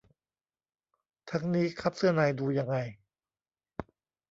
ทั้งนี้ คัพเสื้อใน ดูยังไง